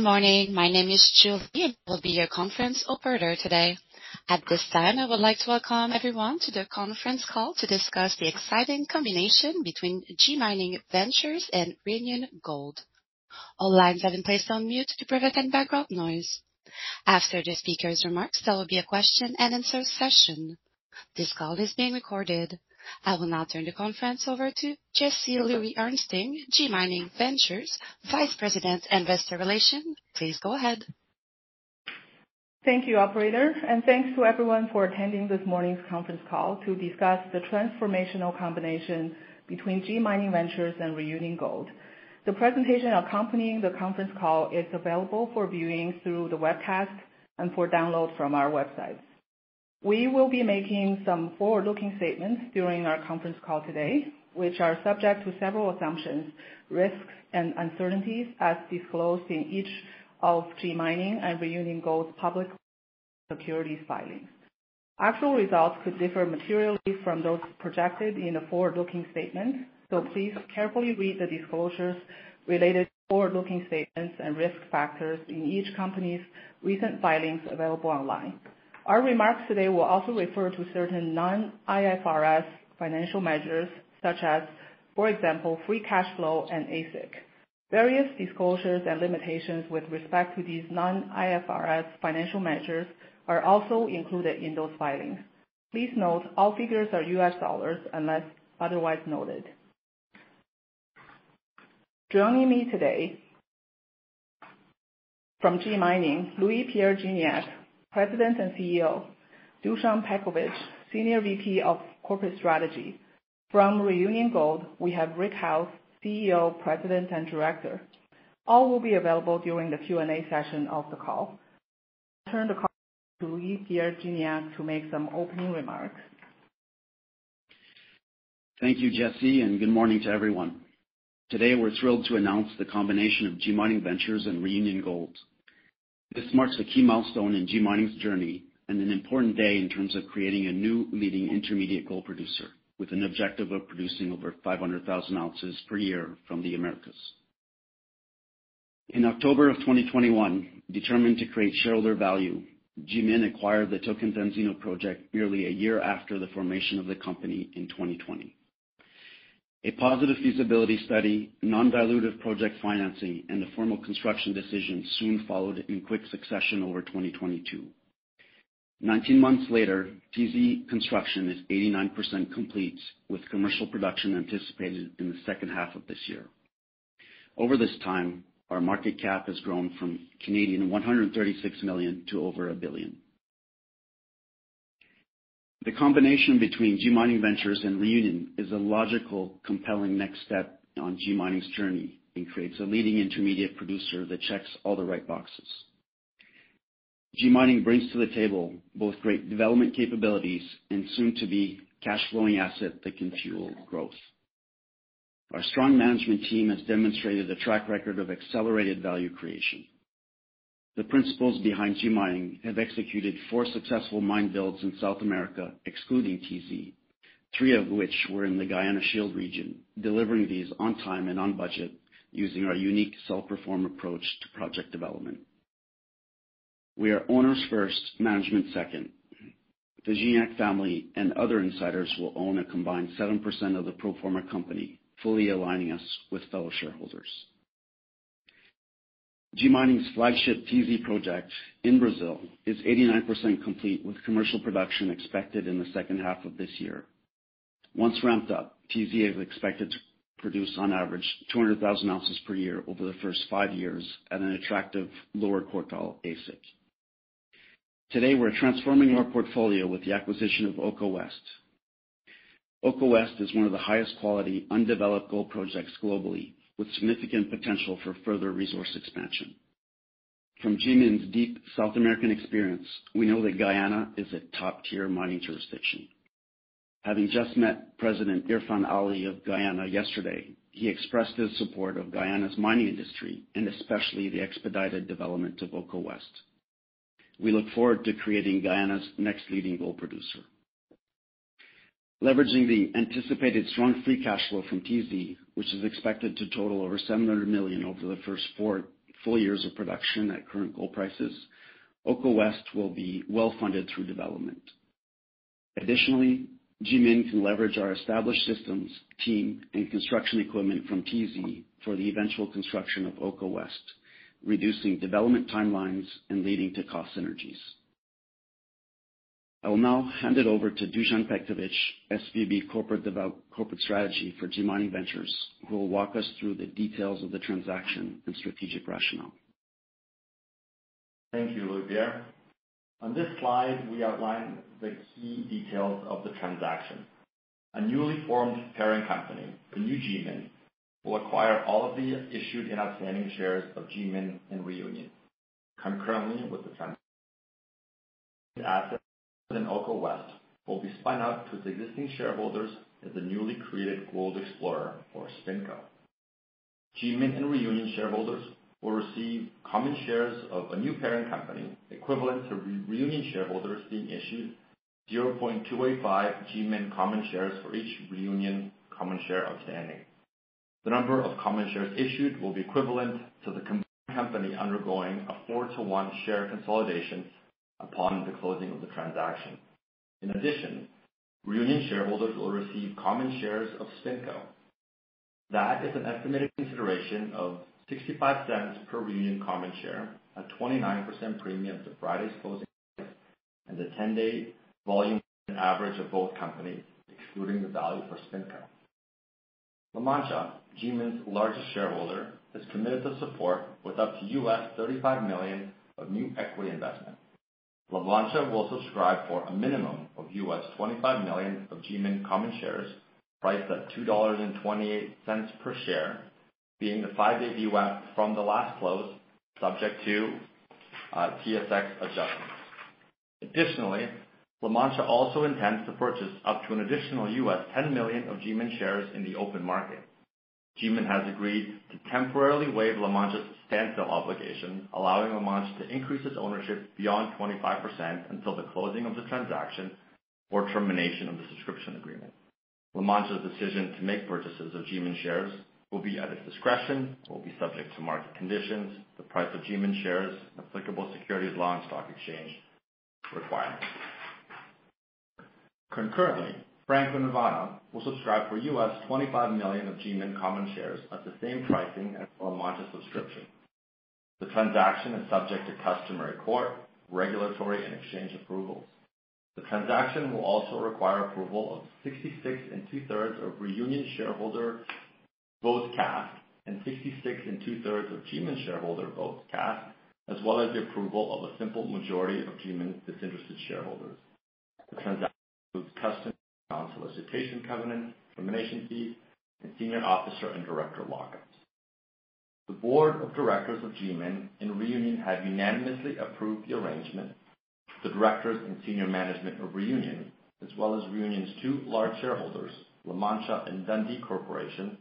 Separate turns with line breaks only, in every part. Good morning, my name is Julie and I will be your conference operator today. At this time I would like to welcome everyone to the conference call to discuss the exciting combination between G Mining Ventures and Reunion Gold. All lines have been placed on mute to prevent any background noise. After the speaker's remarks there will be a question-and-answer session. This call is being recorded. I will now turn the conference over to Jesse Louis-Ernsting, G Mining Ventures Vice President Investor Relations. Please go ahead.
Thank you, operator, and thanks to everyone for attending this morning's conference call to discuss the transformational combination between G Mining Ventures and Reunion Gold. The presentation accompanying the conference call is available for viewing through the webcast and for download from our website. We will be making some forward-looking statements during our conference call today, which are subject to several assumptions, risks, and uncertainties as disclosed in each of G Mining and Reunion Gold's public securities filings. Actual results could differ materially from those projected in the forward-looking statements, so please carefully read the disclosures related to forward-looking statements and risk factors in each company's recent filings available online. Our remarks today will also refer to certain non-IFRS financial measures such as, for example, free cash flow and AISC. Various disclosures and limitations with respect to these non-IFRS financial measures are also included in those filings. Please note all figures are U.S. dollars unless otherwise noted. Joining me today from G Mining, Louis-Pierre Gignac, President and CEO; Dusan Petkovic, Senior VP of Corporate Strategy; from Reunion Gold, we have Rick Howes, CEO, President, and Director. All will be available during the Q&A session of the call. I'll turn the call to Louis-Pierre Gignac to make some opening remarks.
Thank you, Jesse, and good morning to everyone. Today we're thrilled to announce the combination of G Mining Ventures and Reunion Gold. This marks a key milestone in G Mining's journey and an important day in terms of creating a new leading intermediate gold producer with an objective of producing over 500,000 ounces per year from the Americas. In October of 2021, determined to create shareholder value, G Mining acquired the Tocantinzinho project nearly a year after the formation of the company in 2020. A positive feasibility study, non-dilutive project financing, and a formal construction decision soon followed in quick succession over 2022. 19 months later, TZ Construction is 89% complete with commercial production anticipated in the second half of this year. Over this time, our market cap has grown from 136 million to over 1 billion. The combination between G Mining Ventures and Reunion is a logical, compelling next step on G Mining's journey and creates a leading intermediate producer that checks all the right boxes. G Mining brings to the table both great development capabilities and soon-to-be cash-flowing assets that can fuel growth. Our strong management team has demonstrated a track record of accelerated value creation. The principals behind G Mining have executed four successful mine builds in South America excluding TZ, three of which were in the Guiana Shield region, delivering these on time and on budget using our unique self-perform approach to project development. We are owners first, management second. The Gignac family and other insiders will own a combined 7% of the pro forma company, fully aligning us with fellow shareholders. G Mining's flagship TZ project in Brazil is 89% complete with commercial production expected in the second half of this year. Once ramped up, TZ is expected to produce on average 200,000 ounces per year over the first five years at an attractive lower quartile AISC. Today we're transforming our portfolio with the acquisition of Oko West. Oko West is one of the highest-quality undeveloped gold projects globally, with significant potential for further resource expansion. From G Mining's deep South American experience, we know that Guyana is a top-tier mining jurisdiction. Having just met President Irfaan Ali of Guyana yesterday, he expressed his support of Guyana's mining industry and especially the expedited development of Oko West. We look forward to creating Guyana's next leading gold producer. Leveraging the anticipated strong free cash flow from TZ, which is expected to total over $700 million over the first four full years of production at current gold prices, Oko West will be well-funded through development. Additionally, G Mining can leverage our established systems, team, and construction equipment from TZ for the eventual construction of Oko West, reducing development timelines and leading to cost synergies. I will now hand it over to Dusan Petkovic, SVP of Corporate Strategy at G Mining Ventures, who will walk us through the details of the transaction and strategic rationale.
Thank you, Louis-Pierre. On this slide we outline the key details of the transaction. A newly formed parent company, the new GMIN, will acquire all of the issued and outstanding shares of GMIN and Reunion. Concurrently with the transaction, assets in Oko West will be spun out to its existing shareholders as the newly created Gold Explorer, or SpinCo. GMIN and Reunion shareholders will receive common shares of a new parent company, equivalent to Reunion shareholders being issued 0.285 GMIN common shares for each Reunion common share outstanding. The number of common shares issued will be equivalent to the company undergoing a four-to-one share consolidation upon the closing of the transaction. In addition, Reunion shareholders will receive common shares of SpinCo. That is an estimated consideration of $0.65 per Reunion common share, a 29% premium to Friday's closing price, and a 10-day volume average of both companies, excluding the value for SpinCo. La Mancha, GMIN's largest shareholder, has committed to support with up to $35 million of new equity investment. La Mancha will subscribe for a minimum of $25 million of GMIN common shares, priced at $2.28 per share, being the five-day VWAP from the last close, subject to TSX adjustments. Additionally, La Mancha also intends to purchase up to an additional $10 million of GMIN shares in the open market. GMIN has agreed to temporarily waive La Mancha's standstill obligation, allowing La Mancha to increase its ownership beyond 25% until the closing of the transaction or termination of the subscription agreement. La Mancha's decision to make purchases of GMIN shares will be at its discretion and will be subject to market conditions, the price of GMIN shares, and applicable securities law and stock exchange requirements. Concurrently, Franco-Nevada will subscribe for $25 million of GMIN common shares at the same pricing as La Mancha's subscription. The transaction is subject to customary court, regulatory, and exchange approvals. The transaction will also require approval of 66 2/3 of Reunion shareholder votes cast and 66 2/3 of GMIN shareholder votes cast, as well as the approval of a simple majority of GMIN's disinterested shareholders. The transaction includes customary non-solicitation covenants, termination fees, and senior officer and director lockups. The board of directors of GMIN and Reunion have unanimously approved the arrangement. The directors and senior management of Reunion, as well as Reunion's two large shareholders, La Mancha and Dundee Corporation,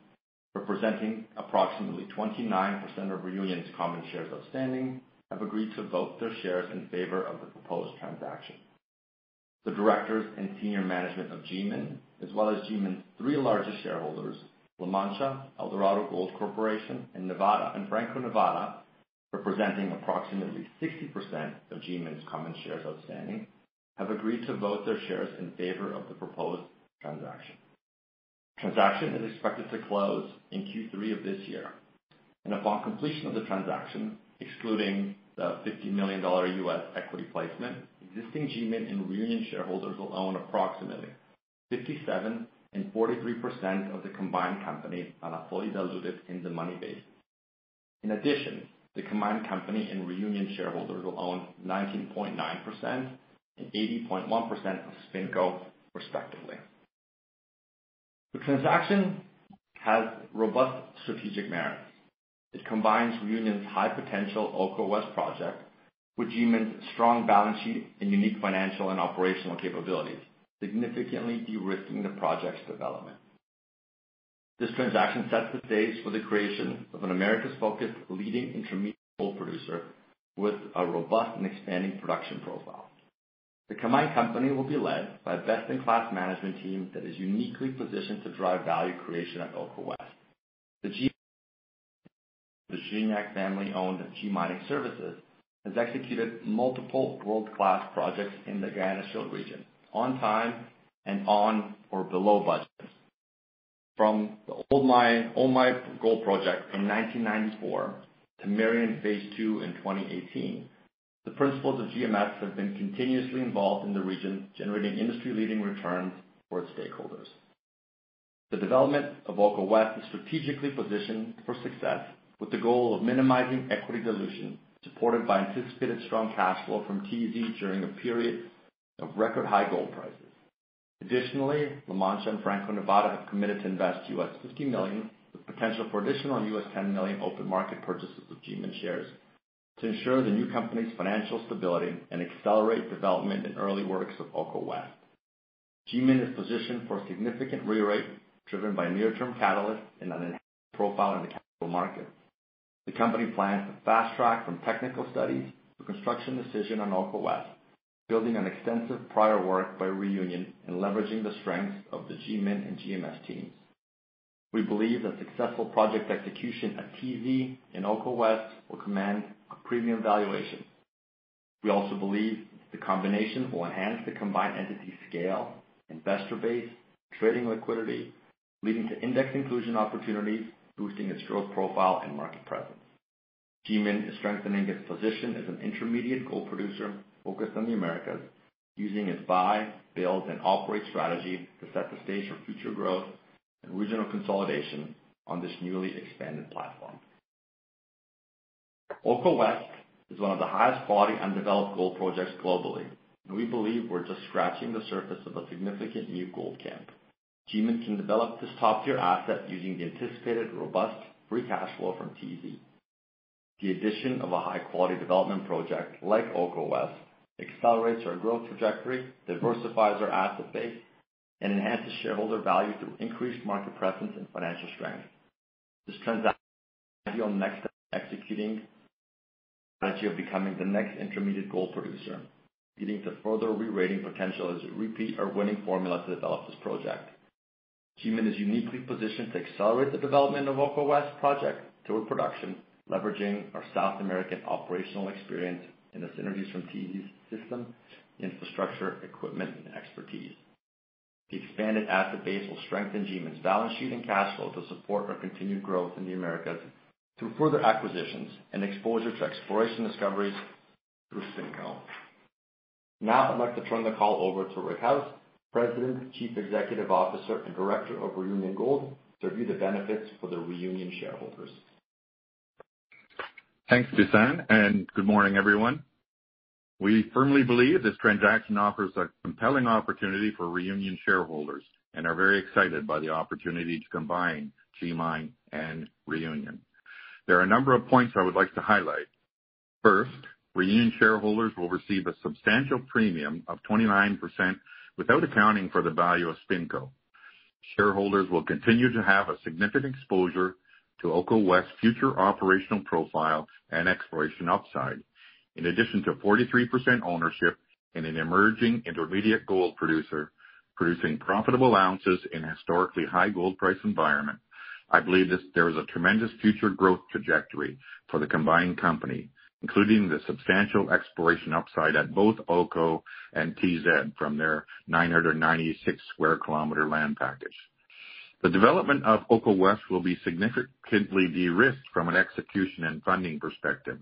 representing approximately 29% of Reunion's common shares outstanding, have agreed to vote their shares in favor of the proposed transaction. The directors and senior management of G Mining, as well as G Mining's three largest shareholders, La Mancha, Eldorado Gold Corporation, and Franco-Nevada, representing approximately 60% of G Mining's common shares outstanding, have agreed to vote their shares in favor of the proposed transaction. The transaction is expected to close in Q3 of this year, and upon completion of the transaction, excluding the $50 million U.S. equity placement, existing G Mining and Reunion shareholders will own approximately 57% and 43% of the combined company on a fully diluted in-the-money basis. In addition, the combined company and Reunion shareholders will own 19.9% and 80.1% of SpinCo, respectively. The transaction has robust strategic merits. It combines Reunion's high-potential Oko West project with G Mining's strong balance sheet and unique financial and operational capabilities, significantly de-risking the project's development. This transaction sets the stage for the creation of an Americas-focused leading intermediate gold producer with a robust and expanding production profile. The combined company will be led by a best-in-class management team that is uniquely positioned to drive value creation at Oko West. The Gignac family-owned G Mining Services has executed multiple world-class projects in the Guiana Shield region, on time and on or below budget. From the Omai Gold Mine project in 1994 to Merian Phase II in 2018, the principals of GMS have been continuously involved in the region, generating industry-leading returns for its stakeholders. The development of Oko West is strategically positioned for success with the goal of minimizing equity dilution, supported by anticipated strong cash flow from TZ during a period of record-high gold prices. Additionally, La Mancha and Franco-Nevada have committed to invest $50 million, with potential for additional $10 million open market purchases of GMIN shares, to ensure the new company's financial stability and accelerate development and early works of Oko West. GMIN is positioned for significant re-rate driven by near-term catalysts and an enhanced profile in the capital market. The company plans to fast-track from technical studies to construction decision on Oko West, building on extensive prior work by Reunion and leveraging the strengths of the GMIN and GMS teams. We believe that successful project execution at TZ and Oko West will command a premium valuation. We also believe the combination will enhance the combined entity's scale, investor base, trading liquidity, leading to index inclusion opportunities, boosting its growth profile and market presence. G Mining is strengthening its position as an intermediate gold producer focused on the Americas, using its buy, build, and operate strategy to set the stage for future growth and regional consolidation on this newly expanded platform. Oko West is one of the highest-quality undeveloped gold projects globally, and we believe we're just scratching the surface of a significant new gold camp. G Mining can develop this top-tier asset using the anticipated robust free cash flow from TZ. The addition of a high-quality development project like Oko West accelerates our growth trajectory, diversifies our asset base, and enhances shareholder value through increased market presence and financial strength. This transaction will lead to the next step in executing the strategy of becoming the next intermediate gold producer, leading to further re-rating potential as a repeat or winning formula to develop this project. G Mining is uniquely positioned to accelerate the development of Oko West project toward production, leveraging our South American operational experience and the synergies from TZ's system, infrastructure, equipment, and expertise. The expanded asset base will strengthen G Mining's balance sheet and cash flow to support our continued growth in the Americas through further acquisitions and exposure to exploration discoveries through SpinCo. Now I'd like to turn the call over to Rick Howes, President, Chief Executive Officer, and Director of Reunion Gold, to review the benefits for the Reunion shareholders.
Thanks, Dusan, and good morning, everyone. We firmly believe this transaction offers a compelling opportunity for Reunion shareholders and are very excited by the opportunity to combine G Mining and Reunion. There are a number of points I would like to highlight. First, Reunion shareholders will receive a substantial premium of 29% without accounting for the value of SpinCo. Shareholders will continue to have a significant exposure to Oko West's future operational profile and exploration upside. In addition to 43% ownership in an emerging intermediate gold producer producing profitable ounces in a historically high gold price environment, I believe there is a tremendous future growth trajectory for the combined company, including the substantial exploration upside at both Oko and TZ from their 996 sq km land package. The development of Oko West will be significantly de-risked from an execution and funding perspective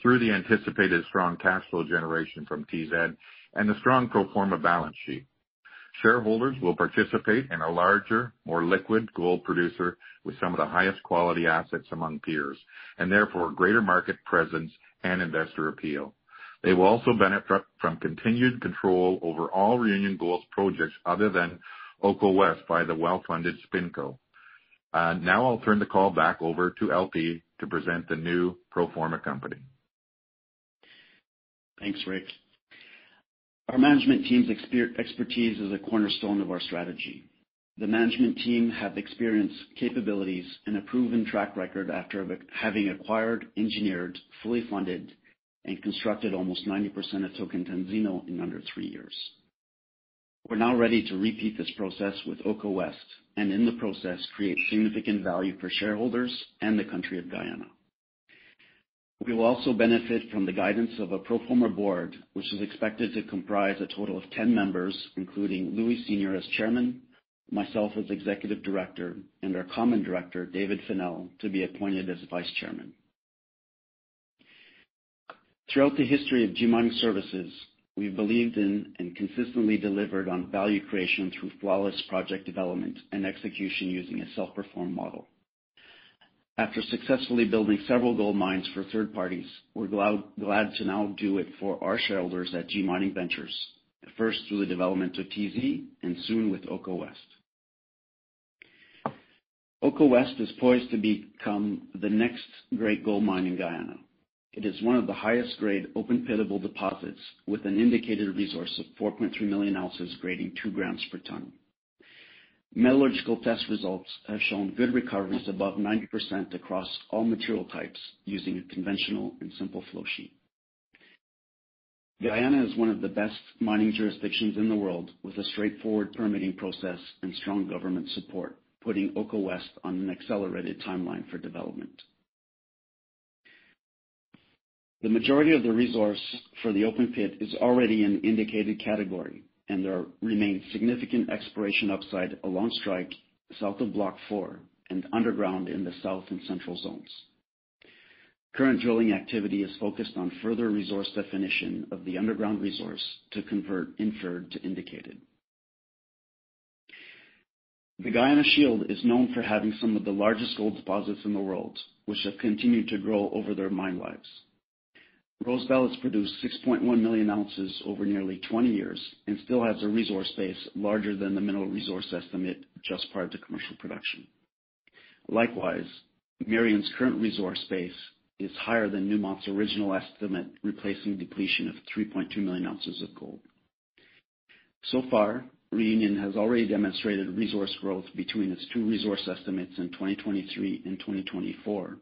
through the anticipated strong cash flow generation from TZ and the strong pro forma balance sheet. Shareholders will participate in a larger, more liquid gold producer with some of the highest quality assets among peers, and therefore greater market presence and investor appeal. They will also benefit from continued control over all Reunion Gold's projects other than Oko West by the well-funded SpinCo. Now I'll turn the call back over to LP to present the new pro forma company.
Thanks, Rick. Our management team's expertise is a cornerstone of our strategy. The management team have experience, capabilities, and a proven track record after having acquired, engineered, fully funded, and constructed almost 90% of Tocantinzinho in under three years. We're now ready to repeat this process with Oko West and, in the process, create significant value for shareholders and the country of Guyana. We will also benefit from the guidance of a pro forma board, which is expected to comprise a total of 10 members, including Louis Sr. as chairman, myself as executive director, and our common director, David Fennell, to be appointed as vice chairman. Throughout the history of G Mining Services, we've believed in and consistently delivered on value creation through flawless project development and execution using a self-perform model. After successfully building several gold mines for third parties, we're glad to now do it for our shareholders at G Mining Ventures, first through the development of TZ and soon with Oko West. Oko West is poised to become the next great gold mine in Guyana. It is one of the highest-grade open-pittable deposits with an indicated resource of 4.3 million ounces grading two grams per ton. Metallurgical test results have shown good recoveries above 90% across all material types using a conventional and simple flowsheet. Guyana is one of the best mining jurisdictions in the world with a straightforward permitting process and strong government support, putting Oko West on an accelerated timeline for development. The majority of the resource for the open pit is already in the indicated category, and there remains significant exploration upside along strike south of Block 4 and underground in the south and central zones. Current drilling activity is focused on further resource definition of the underground resource to convert inferred to indicated. The Guiana Shield is known for having some of the largest gold deposits in the world, which have continued to grow over their mine lives. Rosebel has produced 6.1 million ounces over nearly 20 years and still has a resource base larger than the mineral resource estimate just prior to commercial production. Likewise, Merian's current resource base is higher than Newmont's original estimate, replacing depletion of 3.2 million ounces of gold. So far, Reunion has already demonstrated resource growth between its two resource estimates in 2023 and 2024,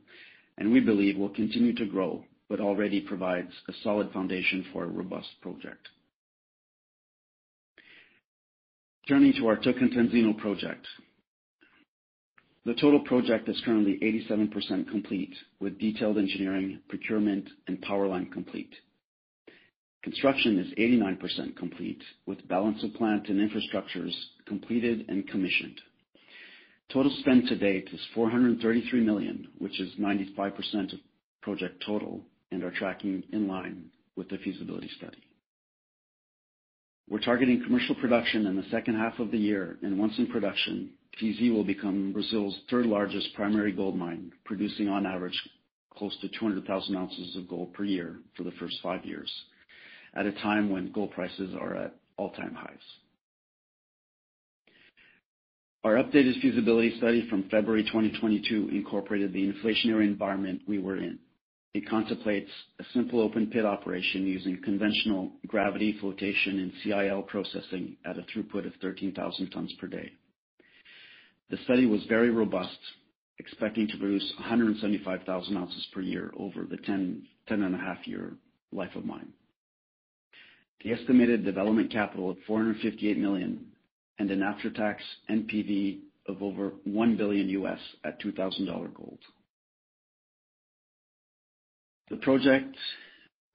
and we believe will continue to grow but already provides a solid foundation for a robust project. Turning to our Tocantinzinho project, the total project is currently 87% complete, with detailed engineering, procurement, and power line complete. Construction is 89% complete, with balance of plant and infrastructures completed and commissioned. Total spend to date is $433 million, which is 95% of project total, and are tracking in line with the feasibility study. We're targeting commercial production in the second half of the year, and once in production, TZ will become Brazil's third-largest primary gold mine, producing on average close to 200,000 ounces of gold per year for the first five years, at a time when gold prices are at all-time highs. Our updated feasibility study from February 2022 incorporated the inflationary environment we were in. It contemplates a simple open pit operation using conventional gravity, flotation, and CIL processing at a throughput of 13,000 tons per day. The study was very robust, expecting to produce 175,000 ounces per year over the 10.5-year life of mine. The estimated development capital of $458 million and an after-tax NPV of over $1 billion at $2,000 gold. The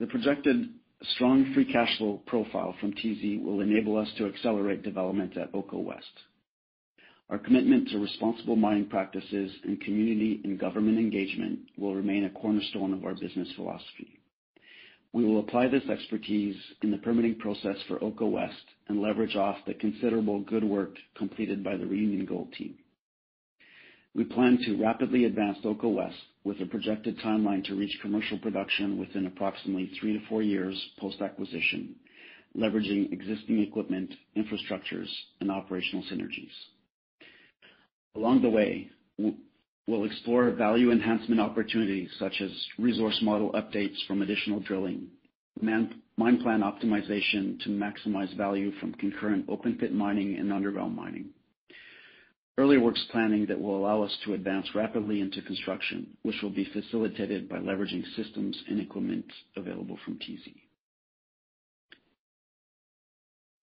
projected strong free cash flow profile from TZ will enable us to accelerate development at Oko West. Our commitment to responsible mining practices and community and government engagement will remain a cornerstone of our business philosophy. We will apply this expertise in the permitting process for Oko West and leverage off the considerable good work completed by the Reunion Gold team. We plan to rapidly advance Oko West with a projected timeline to reach commercial production within approximately three to four years post-acquisition, leveraging existing equipment, infrastructures, and operational synergies. Along the way, we'll explore value enhancement opportunities such as resource model updates from additional drilling, mine plan optimization to maximize value from concurrent open pit mining and underground mining, early works planning that will allow us to advance rapidly into construction, which will be facilitated by leveraging systems and equipment available from TZ.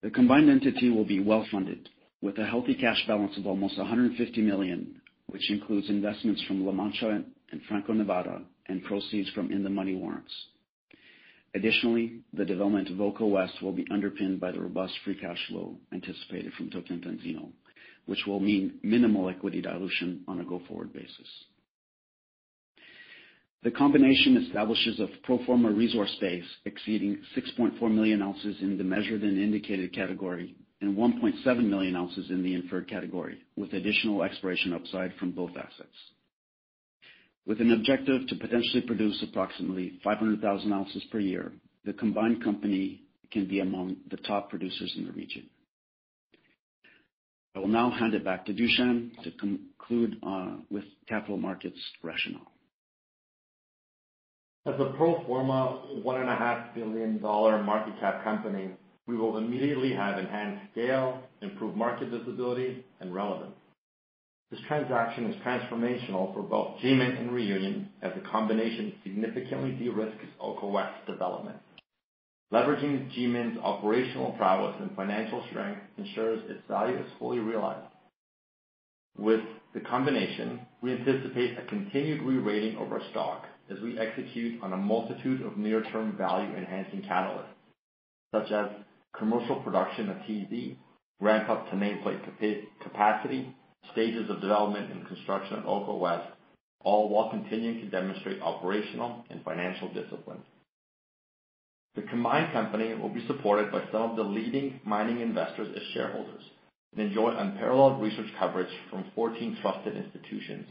The combined entity will be well-funded with a healthy cash balance of almost $150 million, which includes investments from La Mancha and Franco-Nevada and proceeds from in-the-money warrants. Additionally, the development of Oko West will be underpinned by the robust Free Cash Flow anticipated from Tocantinzinho, which will mean minimal equity dilution on a go-forward basis. The combination establishes a pro forma resource base exceeding 6.4 million ounces in the Measured and Indicated category and 1.7 million ounces in the Inferred category, with additional exploration upside from both assets. With an objective to potentially produce approximately 500,000 ounces per year, the combined company can be among the top producers in the region. I will now hand it back to Dusan to conclude with capital markets rationale.
As a pro forma $1.5 billion market cap company, we will immediately have enhanced scale, improved market visibility, and relevance. This transaction is transformational for both G Mining and Reunion Gold as the combination significantly de-risks Oko West's development. Leveraging G Mining's operational prowess and financial strength ensures its value is fully realized. With the combination, we anticipate a continued re-rating of our stock as we execute on a multitude of near-term value-enhancing catalysts, such as commercial production of TZ, ramp-up to nameplate capacity, stages of development and construction at Oko West, all while continuing to demonstrate operational and financial discipline. The combined company will be supported by some of the leading mining investors as shareholders and enjoy unparalleled research coverage from 14 trusted institutions.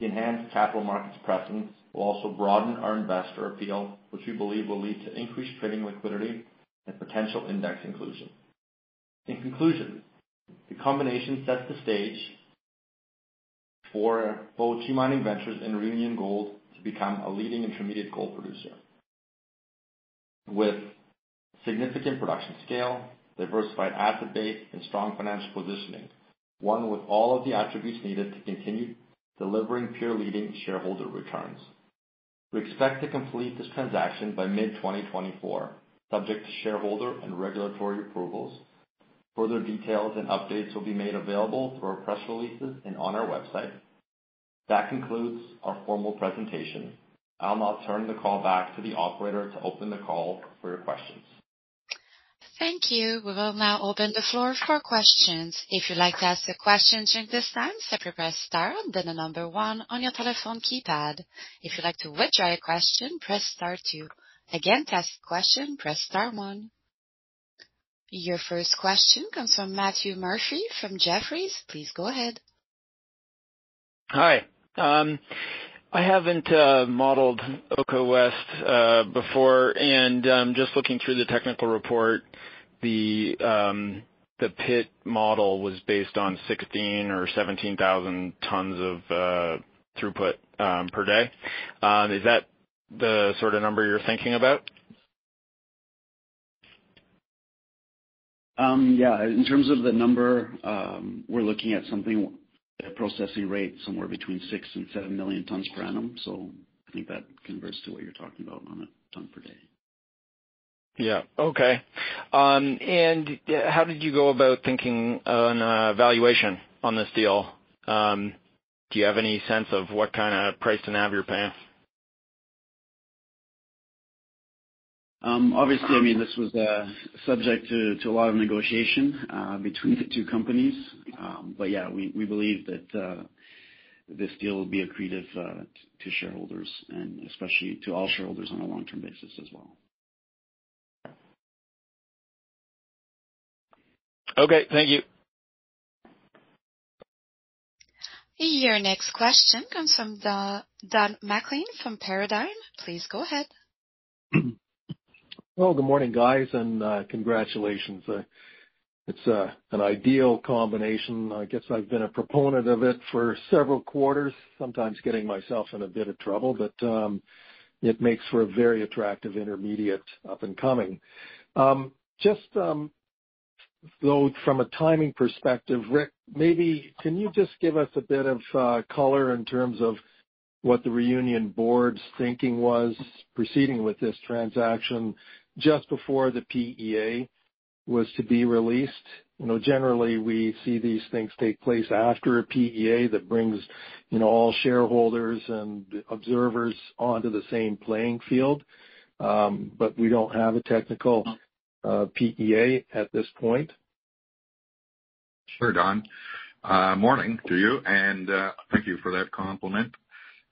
The enhanced capital markets presence will also broaden our investor appeal, which we believe will lead to increased trading liquidity and potential index inclusion. In conclusion, the combination sets the stage for both G Mining Ventures and Reunion Gold to become a leading intermediate gold producer. With significant production scale, diversified asset base, and strong financial positioning, one with all of the attributes needed to continue delivering pure leading shareholder returns. We expect to complete this transaction by mid-2024, subject to shareholder and regulatory approvals. Further details and updates will be made available through our press releases and on our website. That concludes our formal presentation. I'll now turn the call back to the operator to open the call for your questions.
Thank you. We will now open the floor for questions. If you'd like to ask a question during this time, simply press star and then the number one on your telephone keypad. If you'd like to withdraw your question, press star two. Again, to ask a question, press star one. Your first question comes from Matthew Murphy from Jefferies. Please go ahead.
Hi. I haven't modeled Oko West before, and just looking through the technical report, the pit model was based on 16,000 or 17,000 tons of throughput per day. Is that the sort of number you're thinking about?
Yeah. In terms of the number, we're looking at something a processing rate somewhere between 6 million-7 million tons per annum. So I think that converts to what you're talking about on a ton per day.
Yeah. Okay. And how did you go about thinking on valuation on this deal? Do you have any sense of what kind of price to NAV?
Obviously, I mean, this was subject to a lot of negotiation between the two companies. But yeah, we believe that this deal will be accretive to shareholders and especially to all shareholders on a long-term basis as well.
Okay. Thank you.
Your next question comes from Don MacLean from Paradigm. Please go ahead.
Well, good morning, guys, and congratulations. It's an ideal combination. I guess I've been a proponent of it for several quarters, sometimes getting myself in a bit of trouble, but it makes for a very attractive intermediate up-and-coming. Just, though, from a timing perspective, Rick, maybe can you just give us a bit of color in terms of what the Reunion board's thinking was proceeding with this transaction just before the PEA was to be released? Generally, we see these things take place after a PEA that brings all shareholders and observers onto the same playing field, but we don't have a technical PEA at this point.
Sure, Don. Morning to you, and thank you for that compliment.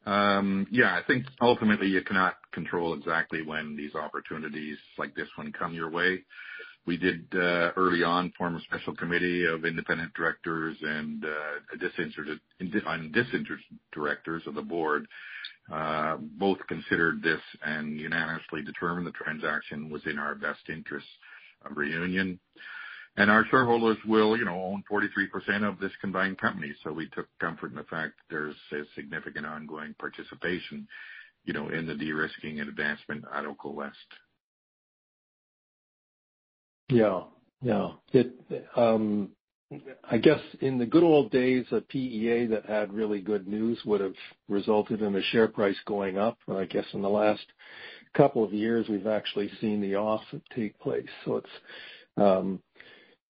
Yeah, I think ultimately you cannot control exactly when these opportunities like this one come your way. We did early on form a special committee of independent directors and disinterested directors of the board, both considered this and unanimously determined the transaction was in our best interest of Reunion. And our shareholders will own 43% of this combined company, so we took comfort in the fact there's a significant ongoing participation in the de-risking and advancement at Oko West.
Yeah. Yeah. I guess in the good old days, a PEA that had really good news would have resulted in the share price going up. And I guess in the last couple of years, we've actually seen the opposite take place. So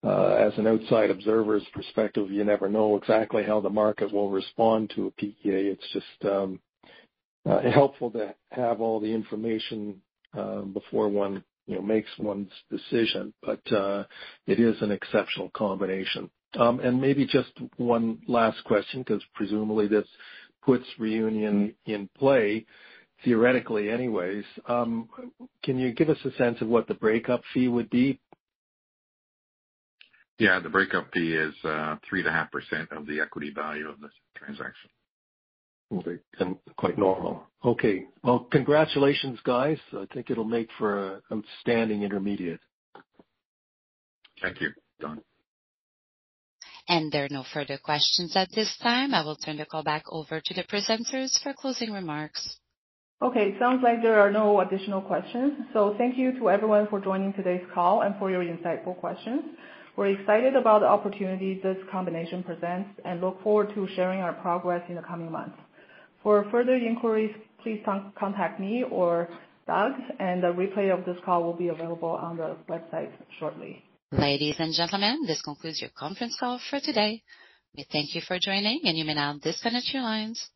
as an outside observer's perspective, you never know exactly how the market will respond to a PEA. It's just helpful to have all the information before one makes one's decision, but it is an exceptional combination. And maybe just one last question because presumably this puts Reunion in play theoretically anyways. Can you give us a sense of what the breakup fee would be?
Yeah. The breakup fee is 3.5% of the equity value of this transaction.
Okay. Quite normal. Okay. Well, congratulations, guys. I think it'll make for an outstanding intermediate.
Thank you, Don.
There are no further questions at this time. I will turn the call back over to the presenters for closing remarks.
Okay. Sounds like there are no additional questions. Thank you to everyone for joining today's call and for your insightful questions. We're excited about the opportunity this combination presents and look forward to sharing our progress in the coming months. For further inquiries, please contact me or Doug, and a replay of this call will be available on the website shortly.
Ladies and gentlemen, this concludes your conference call for today. We thank you for joining, and you may now disconnect your lines.